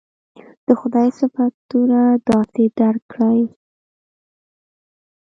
د خدای صفتونه داسې درک کړي.